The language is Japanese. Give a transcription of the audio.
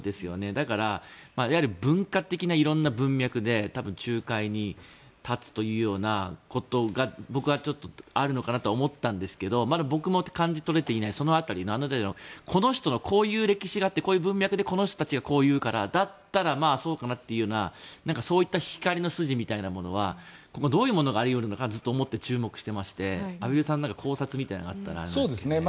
だから、いわゆる文化的な色んな文脈で多分、仲介に立つというようなことが僕はあるのかなと思ったんですが僕も感じ取れていないあの辺りのこの人のこういう歴史があってこういう文脈でこの人たちがこう言うからだったらそうなのかなというそういった光の筋みたいなものは今後どういうものがあり得るのかと注目していまして畔蒜さん考察みたいなのがあったら。